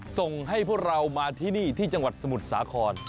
ส่งให้พวกเรามาที่นี่ที่จังหวัดสมุทรสาคร